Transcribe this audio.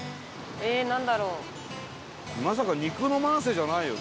まさか肉の万世じゃないよね？